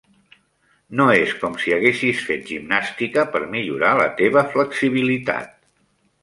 No és com si haguessis fet gimnàstica per millorar la teva flexibilitat.